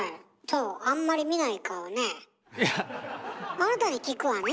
あなたに聞くわね。